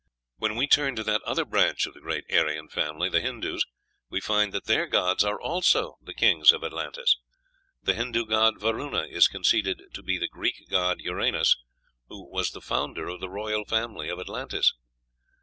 When we turn to that other branch of the great Aryan family, the Hindoos, we find that their gods are also the kings of Atlantis. The Hindoo god Varuna is conceded to be the Greek god Uranos, who was the founder of the royal family of Atlantis.